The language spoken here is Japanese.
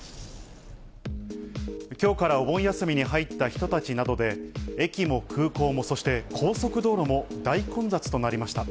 きょうからお盆休みに入った人たちなどで、駅も空港も、そして高速道路も大混雑となりました。